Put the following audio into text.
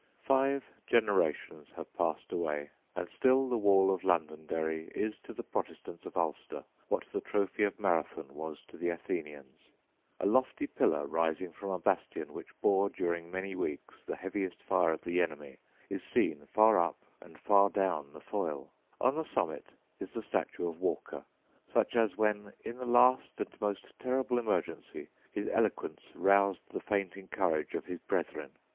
Five generations have since passed away; and still the wall of Londonderry is to the Protestants of Ulster what the trophy of Marathon was to the Athenians. A lofty pillar, rising from a bastion which bore during many weeks the heaviest fire of the enemy, is seen far up and far down the Foyle. On the summit is the statue of Walker, such as when, in the last and most terrible emergency, his eloquence roused the fainting courage of his brethren.